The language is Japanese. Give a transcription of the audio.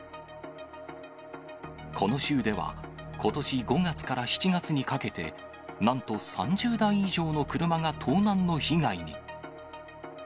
この州では、ことし５月から７月にかけて、なんと３０台以上の車が盗難の被害に。